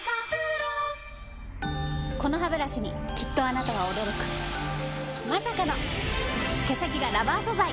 このハブラシにきっとあなたは驚くまさかの毛先がラバー素材！